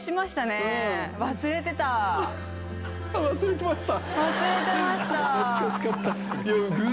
忘れてました。